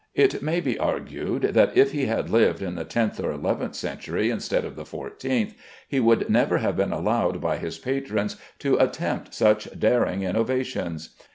It may be argued that if he had lived in the tenth or eleventh century instead of the fourteenth, he would never have been allowed by his patrons to attempt such daring innovations.